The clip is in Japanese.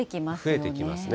増えてきますね。